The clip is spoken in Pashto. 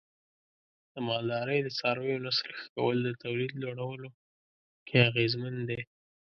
د مالدارۍ د څارویو نسل ښه کول د تولید لوړولو کې اغیزمن دی.